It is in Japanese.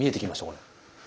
これ。